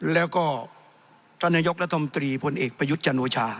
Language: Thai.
แล้วก็ท่านนายกรัฐมนตรีพลเอกประยุทธ์จันโอชา